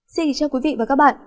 xin chào quý vị và các bạn